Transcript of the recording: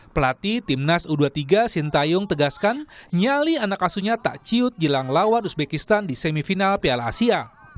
pelatih timnas u dua puluh tiga sintayong tegaskan nyali anak asunya tak ciut jelang lawan uzbekistan di semifinal piala asia